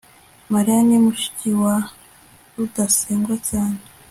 mariya ni mushiki wa rudasingwa cyane